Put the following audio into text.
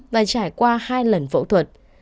và trải qua hai lần phẫu thuật